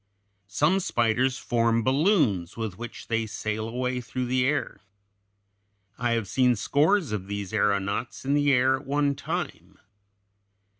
Some spiders form balloons with which they sail away through the air. I have seen scores of these aëronauts in the air at one time.